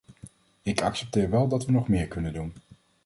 Ik accepteer wel dat we nog meer kunnen doen.